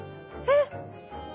えっ！